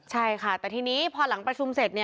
ใช่ค่ะแต่ทีนี้พอหลังประชุมเสร็จ